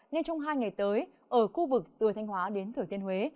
nên trong hai ngày tới ở khu vực từ thanh hóa đến thừa thiên huế